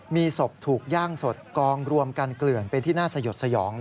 มีศพถูกย่างสดกองรวมกันเกลื่อนเป็นที่น่าสยดสยอง